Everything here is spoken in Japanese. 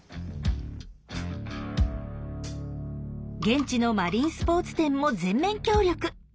現地のマリンスポーツ店も全面協力。